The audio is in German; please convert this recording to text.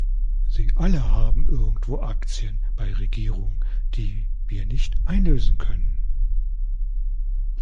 Sie alle haben irgendwo Aktien bei Regierungen, die wir nicht einlösen können.